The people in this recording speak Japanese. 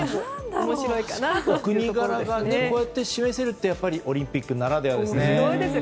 お国柄がこうして示せるというのはオリンピックならではですね。